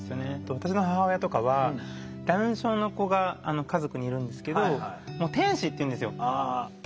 私の母親とかはダウン症の子が家族にいるんですけどもう天使って言うんですよ。